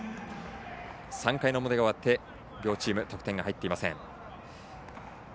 ３回表が終わって両チーム、得点が入っていません。